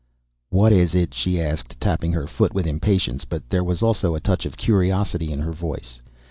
"What is it?" she asked, tapping her foot with impatience. But there was also a touch of curiosity in her voice.